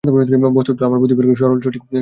বস্তুত আমার প্রতিপালকই সরল সঠিক পথে আছেন।